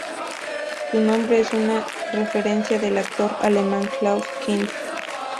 Su nombre es una referencia al actor alemán Klaus Kinski.